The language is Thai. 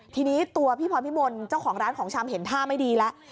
ทีนี้ตัวพี่พรพิมลเจ้าของร้านของชำเห็นท่าไม่ดีแล้ว